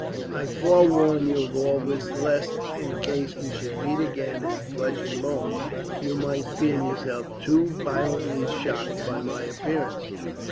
I forewarn you of all this lest, in case we should meet again in flesh and bone, you might feel yourself too violently shocked by my appearance.